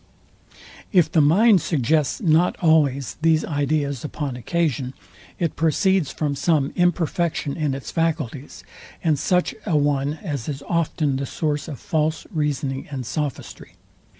If the mind suggests not always these ideas upon occasion, it proceeds from some imperfection in its faculties; and such a one as is often the source of false reasoning and sophistry.